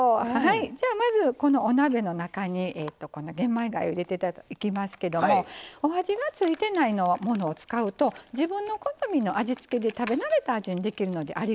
じゃあまずこのお鍋の中にこの玄米がゆ入れていきますけどもお味が付いてないものを使うと自分の好みの味付けで食べ慣れた味にできるのでありがたいんですよね。